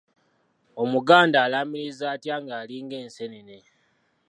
Omuganda alaamiriza atya nga alinga enseenene?